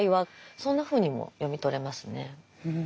そんなふうにも読み取れますね。